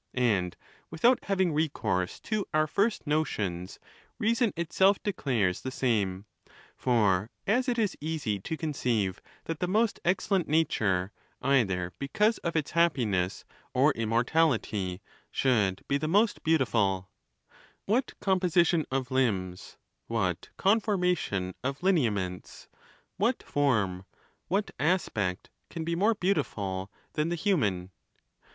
and, without having recourse to our first notions,' reason itself declares the same ; for as it is easy to conceive that the most excellent nature, either because of its happiness or immortality, should be the most beautiful, what composition of limbs, what conform. ition of lineaments, what form, what aspect, can be more henutiful than the human?